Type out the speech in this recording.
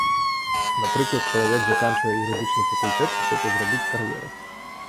Напрыклад, чалавек заканчвае юрыдычны факультэт і хоча зрабіць кар'еру.